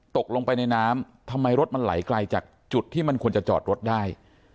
ตกลงไปในน้ำทำไมรถมันไหลไกลจากจุดที่มันควรจะจอดรถได้